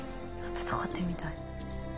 闘ってるみたい。